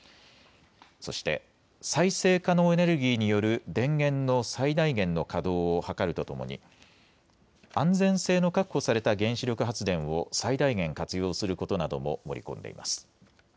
そして再生可能エネルギーによる電源の最大限の稼働を図るとともに安全性の確保された原子力発電を最大限活用することなども盛り込んでいます。